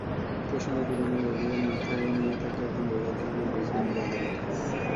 পশু নিপীড়নের অভিযোগ মাথায় নিয়ে তাঁকে এখন দৌড়াতে হবে ব্রিসবেনের আদালতে।